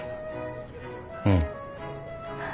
うん。